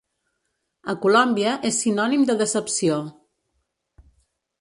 A Colòmbia és sinònim de decepció.